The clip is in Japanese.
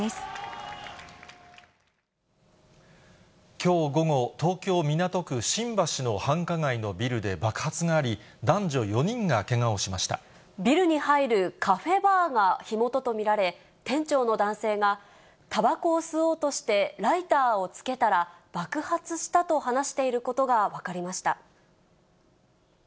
きょう午後、東京・港区新橋の繁華街のビルで爆発があり、男女４人がけがをしたばこを吸おうとしてライターをつけたら爆発したと話していることが分かりました。